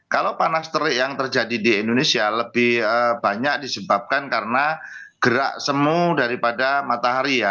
kalau panas terik yang terjadi di indonesia lebih banyak disebabkan karena gerak semu daripada matahari ya